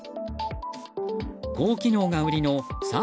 高機能が売りの１３